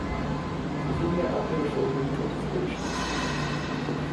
Sizinle arkadaş olmayı çok istemiştim…